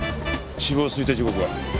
死亡推定時刻は？